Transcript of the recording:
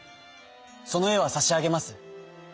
そのえはさしあげます。